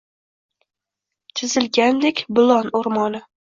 Chizilgandek Bulon o‘rmoni.